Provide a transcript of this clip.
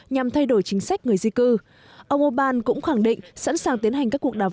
nhằm thay đổi chính sách người di cư ông orbán cũng khẳng định sẵn sàng tiến hành các cuộc đàm